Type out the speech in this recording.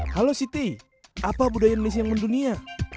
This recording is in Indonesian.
halo siti apa budaya indonesia yang mendunia